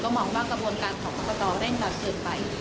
ก็มองว่ากระบวนการขอบคตตได้รับเชิญไป